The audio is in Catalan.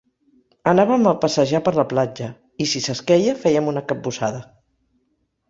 Anàvem a passejar per la platja i, si s'esqueia, fèiem una capbussada.